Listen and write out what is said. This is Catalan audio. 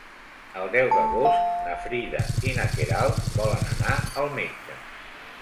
El deu d'agost na Frida i na Queralt volen anar al metge.